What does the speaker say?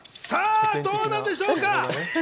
さぁどうなんでしょうか？